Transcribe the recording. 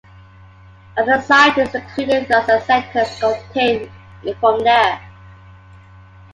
Other scientists, including those at Cetus, obtained it from there.